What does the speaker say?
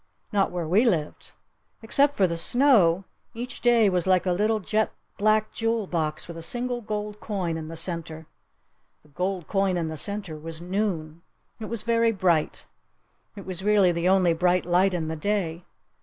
Not where we lived. Except for the snow, each day was like a little jet black jewel box with a single gold coin in the center. The gold coin in the center was noon. It was very bright. It was really the only bright light in the day.